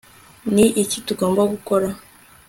ni iki tugomba gukora